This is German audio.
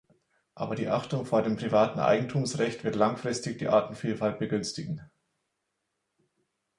Aber die Achtung vor dem privaten Eigentumsrecht wird langfristig die Artenvielfalt begünstigen.